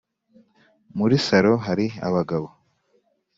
muri salon hari abagabo